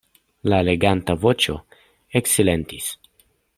La leganta voĉo eksilentis.